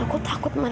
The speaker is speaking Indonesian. aku takut man